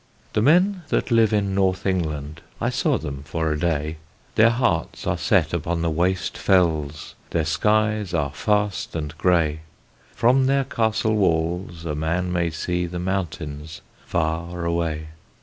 The men that live in North England I saw them for a day: Their hearts are set upon the waste fells, Their skies are fast and grey: From their castle walls a man may see The mountains far away.